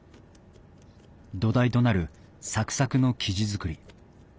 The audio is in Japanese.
土台となるサクサクの生地作り。